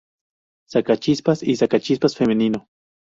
Sacachispas y Sacachispas Femenino.